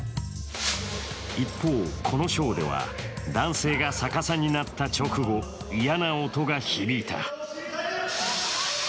一方、このショーでは男性が逆さになった直後、嫌な音が響いた。